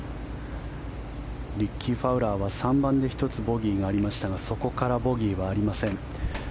リッキー・ファウラーは３番で１つボギーがありましたがそこからボギーはありません。